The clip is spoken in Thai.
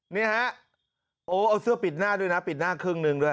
นี่ฮะโอ้เอาเสื้อปิดหน้าด้วยนะปิดหน้าครึ่งหนึ่งด้วย